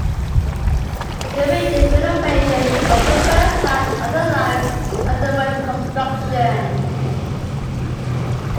During the renovation of the first line, other lines underwent construction.